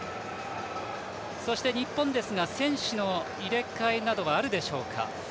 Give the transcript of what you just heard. そして、日本ですが選手の入れ替えなどはあるでしょうか。